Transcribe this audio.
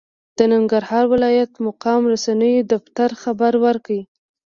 د ننګرهار ولايت مقام رسنیو دفتر خبر ورکړ،